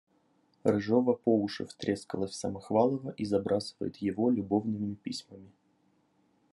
Рыжова по уши втрескалась в Самохвалова и забрасывает его любовными письмами!